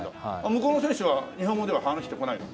向こうの選手は日本語では話してこないの？